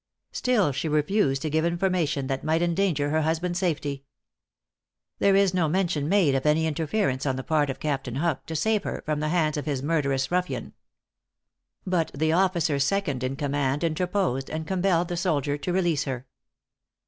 Still she refused to give information that might endanger her husband's safety. There is no mention made of any interference on the part of Captain Huck to save her from the hands of his murderous ruffian. But the officer second in command interposed, and compelled the soldier to release her.